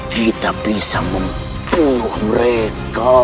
kita bisa membunuh mereka